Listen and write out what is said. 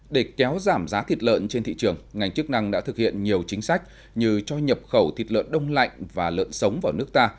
để kéo giảm giá thịt lợn trên thị trường ngành chức năng đã thực hiện nhiều chính sách như cho nhập khẩu thịt lợn đông lạnh và lợn sống vào nước ta